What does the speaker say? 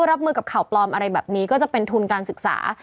รับมือกับข่าวปลอมอะไรแบบนี้ก็จะเป็นทุนการศึกษา